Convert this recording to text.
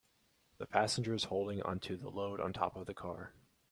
The passenger is holding onto the load on top of the car.